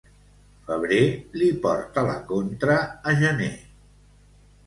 Febrer li porta la contra a gener.